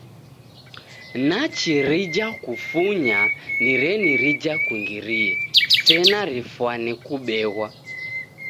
Nachi rija kufunya ni reni rija kungirie, sena rifwane kubeghwa!